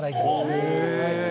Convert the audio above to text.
へえ